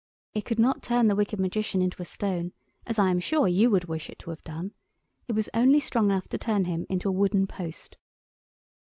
It could not turn the wicked Magician into a stone, as I am sure you would wish it to have done; it was only strong enough to turn him into a wooden post.